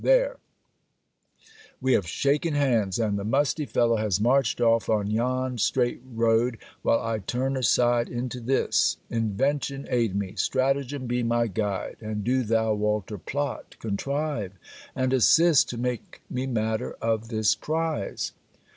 There: we have shaken hands: and the musty fellow has marched off on yon straight road, while I turn aside into this. Invention aid me! Stratagem be my guide! And do thou, Walter, plot, contrive, and assist to make me matter of this prize.